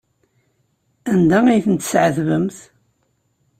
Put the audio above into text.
Anda ay tent-tɛettbemt?